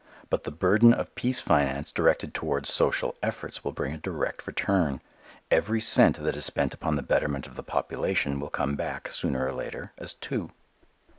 But the burden of peace finance directed towards social efforts will bring a direct return. Every cent that is spent upon the betterment of the population will come back, sooner or later, as two.